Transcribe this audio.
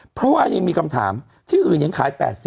เพราะว่ายังมีคำถามที่อื่นยังขาย๘๐